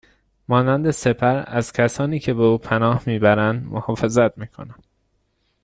مانند سپر ازکسانی که به او پناه میبرند محافظت میکند